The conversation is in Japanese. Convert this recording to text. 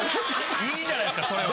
いいじゃないですかそれは。